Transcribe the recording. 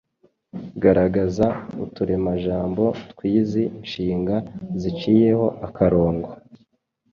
Garagaza uturemajambo tw’izi nshinga ziciyeho akarongo